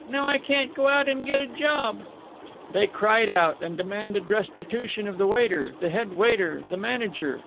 Now I can't go out and get a job " They cried out, and demanded restitution of the waiter, the head waiter, the manager.